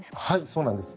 そうなんです。